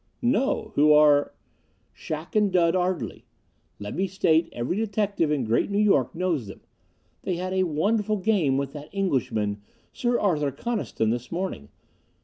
"No. Who are " "Shac and Dud Ardley. Let me state every detective in Great New York knows them. They had a wonderful game with that Englishman, Sir Arthur Coniston, this morning.